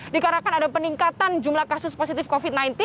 dikarenakan ada peningkatan jumlah kasus positif covid sembilan belas